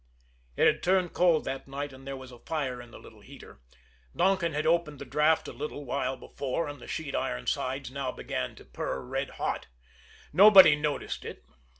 It had turned cold that night and there was a fire in the little heater. Donkin had opened the draft a little while before, and the sheet iron sides now began to pur red hot. Nobody noticed it.